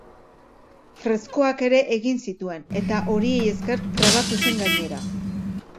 Freskoak ere egin zituen, eta horiei esker trebatu zen gainera.